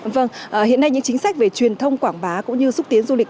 vâng hiện nay những chính sách về truyền thông quảng bá cũng như xúc tiến du lịch